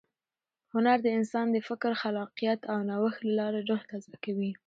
هنر د انسان د فکر، خلاقیت او نوښت له لارې روح تازه کوي.